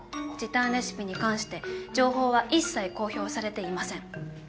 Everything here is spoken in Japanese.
時短レシピに関して情報は一切公表されていません。